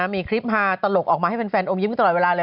มีคลิปฮาตลกออกมาให้แฟนอมยิ้มตลอดเวลาเลย